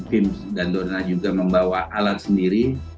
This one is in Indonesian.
fim dan dona juga membawa alat sendiri